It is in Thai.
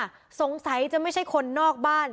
แต่ไปมาสงสัยจะไม่ใช่คนนอกบ้าน